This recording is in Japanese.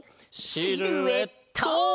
シルエット！